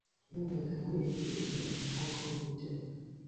Binyuze muri njye bijya mu muhogo w'iteka